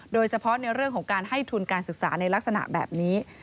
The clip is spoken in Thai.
โดยเฉพาะในเรื่องของการให้ทุนการศึกษาในลักษณะแบบนี้